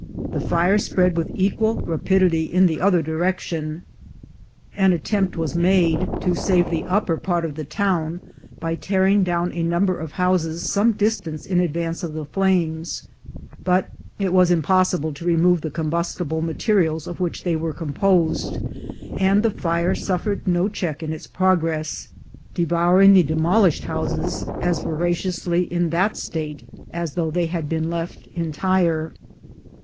The fire spread with equal rapidity in the other direction. An attempt was made to save the upper part of the town by tearing down a number of houses some distance in advance of the flames; but it was impossible to remove the combustible materials of which they were composed, and the fire suffered no check in its progress, devouring the demolished houses as voraciously in that state as though they had been left entire.